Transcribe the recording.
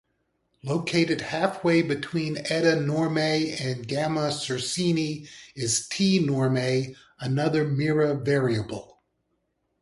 Located halfway between Eta Normae and Gamma Circini is T Normae, another Mira variable.